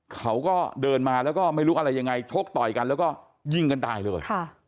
เขาก็เดินมาแล้วก็ไม่รู้อะไรยังไงชกต่อยกันแล้วก็ยิงกันตายเลย